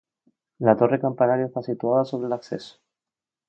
La torre campanario está situada sobre el acceso.